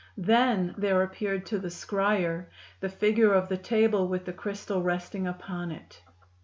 There then appeared to the scryer the figure of the table with the crystal resting upon it.